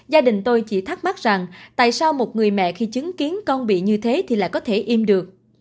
gia đình tôi chỉ thắc mắc rằng tại sao một người mẹ khi chứng kiến con bị như thế thì lại có thể im được